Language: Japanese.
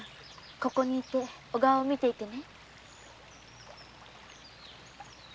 ここに居て小川を見ていてね。